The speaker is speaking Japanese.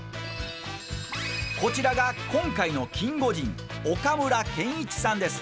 こちらが今回のキンゴジン岡村憲一さんです。